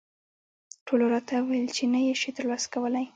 ټولو راته وویل چې نه یې شې ترلاسه کولای.